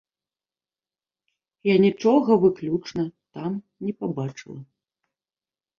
Я нічога выключна там не пабачыла.